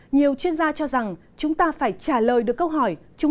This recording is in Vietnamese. nhiều chuyên gia cho rằng chúng ta phải trả lời được câu hỏi